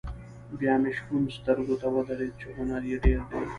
بیا مې شپون سترګو ته ودرېد چې هنر یې ډېر دی.